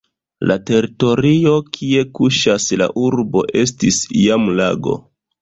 La teritorio kie kuŝas la urbo estis iam lago.